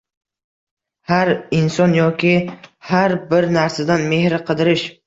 Har inson yoki har bir narsadan mehr qidirish.